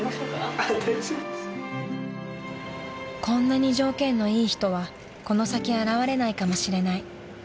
［こんなに条件のいい人はこの先現れないかもしれない］